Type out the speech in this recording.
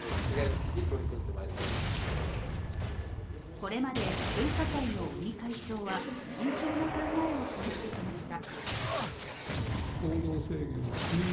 これまで分科会の尾身会長は慎重な考えを示してきました